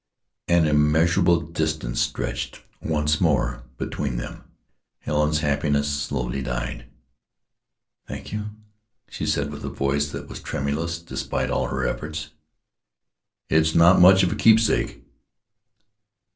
An immeasurable distance stretched once more between them. Helen's happiness slowly died. "I thank you," she said with a voice that was tremulous despite all her efforts. "It's not much of a keepsake."